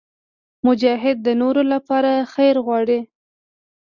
مجاهد د نورو لپاره خیر غواړي.